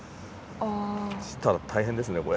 そしたら大変ですねこれ。